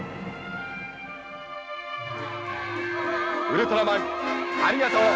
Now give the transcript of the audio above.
ウルトラマンありがとう。